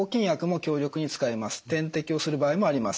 点滴をする場合もあります。